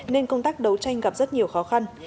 nên công tác đấu tranh gặp rất nhiều khó khăn